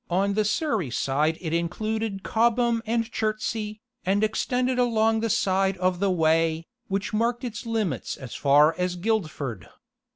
On the Surrey side it included Chobham and Chertsey, and extended along the side of the Wey, which marked its limits as far as Guildford.